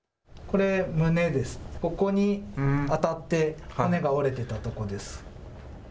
ここに当たって骨が折れてたとこです。